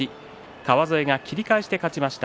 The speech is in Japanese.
川副が切り返しで勝ちました。